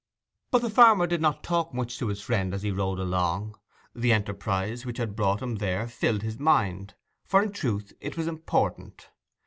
But the farmer did not talk much to his friend as he rode along. The enterprise which had brought him there filled his mind; for in truth it was important.